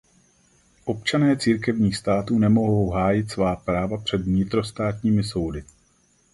Občané církevních států nemohou hájit svá práva před vnitrostátními soudy.